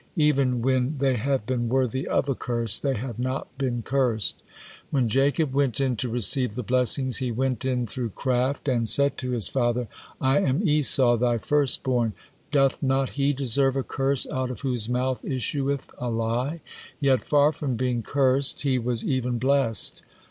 Even when they have been worthy of a curse, they have not been cursed. When Jacob went in to receive the blessings, he went in through craft and said to his father, 'I am Esau, thy firstborn.' Doth not he deserve a curse out of whose mouth issueth a lie? Yet, far from being cursed, he was even blessed.